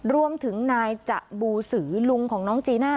รวมถึงนายจะบูสือลุงของน้องจีน่า